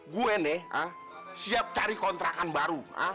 gue nih siap cari kontrakan baru